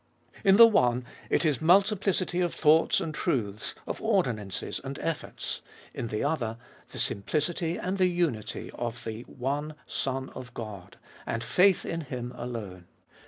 In the one, it is multiplicity of thoughts and truths, of ordinances and efforts ; in the other, the simplicity and the unity of the one Son of God, and faith in Him alone.